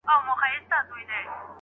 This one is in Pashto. انتيک پلورونکی به ساعت نه خرابوي.